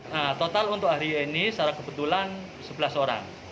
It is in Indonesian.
nah total untuk hari ini secara kebetulan sebelas orang